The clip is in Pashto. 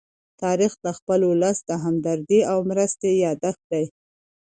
تاریخ د خپل ولس د همدردۍ او مرستې يادښت دی.